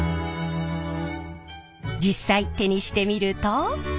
実際手にしてみると。